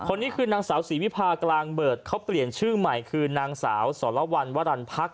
นี่คือนางสาวศรีวิพากลางเบิร์ตเขาเปลี่ยนชื่อใหม่คือนางสาวสรวรรณวรรณพักษ